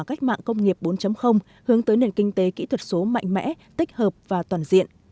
cách mạng công nghiệp bốn hướng tới nền kinh tế kỹ thuật số mạnh mẽ tích hợp và toàn diện